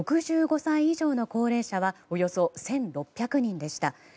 ６５歳以上の高齢者はおよそ１６００人でした。